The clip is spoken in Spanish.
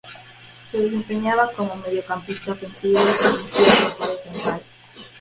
Se desempeñaba como mediocampista ofensivo y se inició en Rosario Central.